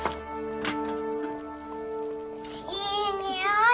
いいにおい。